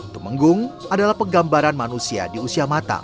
temenggung adalah penggambaran manusia di usia matang